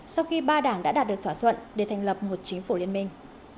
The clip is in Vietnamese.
sau khi ba đảng đã đạt được thỏa thuận để thành lập một chính phủ liên minh